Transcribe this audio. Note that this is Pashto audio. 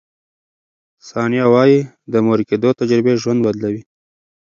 ثانیه وايي، د مور کیدو تجربې ژوند بدلوي.